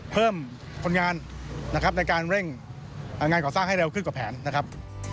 เพิ่มคนงานนะครับในการเร่งงานก่อสร้างให้เร็วขึ้นกว่าแผนนะครับ